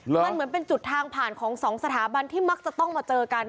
มันเหมือนเป็นจุดทางผ่านของสองสถาบันที่มักจะต้องมาเจอกัน